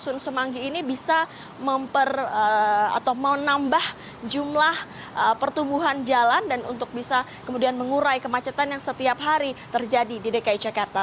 stasiun semanggi ini bisa menambah jumlah pertumbuhan jalan dan untuk bisa kemudian mengurai kemacetan yang setiap hari terjadi di dki jakarta